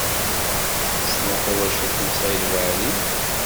Tessneḍ tawacult n Saɛid Waɛli?